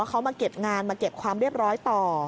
เขามาเก็บงานมาเก็บความเรียบร้อยต่อ